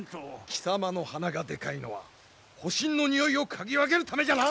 貴様の鼻がでかいのは保身のにおいを嗅ぎ分けるためじゃな？